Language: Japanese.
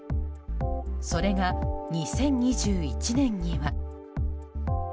それが、２０２１年には。